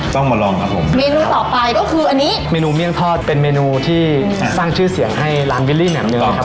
ต้องมาลองครับผมเมนูต่อไปก็คืออันนี้เมนูเมี่ยงทอดเป็นเมนูที่สร้างชื่อเสียงให้ร้านวิลลี่แหม่มนะครับ